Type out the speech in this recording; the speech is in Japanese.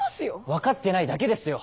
分かってないだけですよ